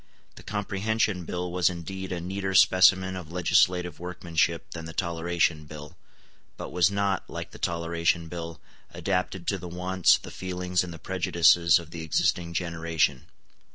The Comprehension Bill was indeed a neater specimen of legislative workmanship than the Toleration Bill, but was not, like the Toleration Bill, adapted to the wants, the feelings, and the prejudices of the existing generation.